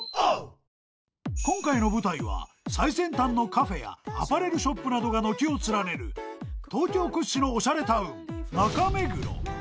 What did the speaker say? ［今回の舞台は最先端のカフェやアパレルショップなどが軒を連ねる東京屈指のおしゃれタウン］